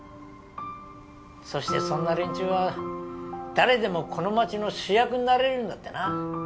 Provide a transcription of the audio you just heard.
そしてそんな連中は誰でもこの街の主役になれるんだってな。